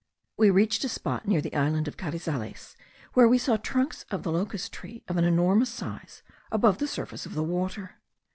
We reached a spot near the island of Carizales, where we saw trunks of the locust tree, of an enormous size, above the surface of the water.